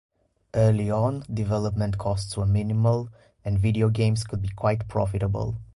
Early on, development costs were minimal, and video games could be quite profitable.